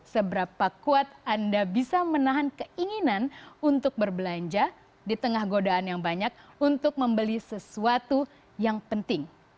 seberapa kuat anda bisa menahan keinginan untuk berbelanja di tengah godaan yang banyak untuk membeli sesuatu yang penting